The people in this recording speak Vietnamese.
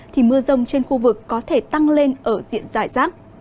thì mưa rông trên khu vực có thể tăng lên ở diện giải rác